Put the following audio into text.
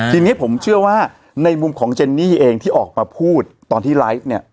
ทีนี้ผมเชื่อว่าในมุมของเจนนี่เองที่ออกมาพูดตอนที่ไลฟ์เนี่ย